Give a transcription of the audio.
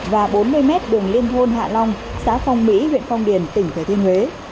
và bốn mươi m đường liên thôn hạ long xã phong mỹ huyện phong điền tỉnh thế thiên huế